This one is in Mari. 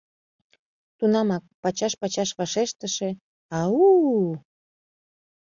Тунамак пачаш-пачаш вашештыше «Ау-у-у!